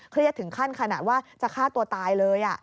ถึงขั้นขนาดว่าจะฆ่าตัวตายเลย